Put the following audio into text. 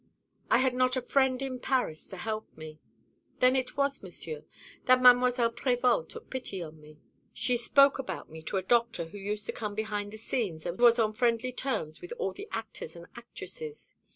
I had not a friend in Paris to help me. Then it was, Monsieur, that Mademoiselle Prévol took pity on me. She spoke about me to a doctor who used to come behind the scenes and was on friendly terms with all the actors and actresses.